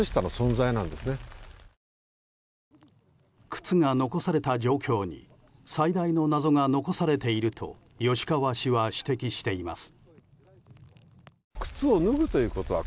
靴が残された状況に最大の謎が残されていると吉川氏は指摘しています。